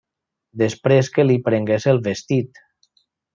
Després que li prengués el vestit.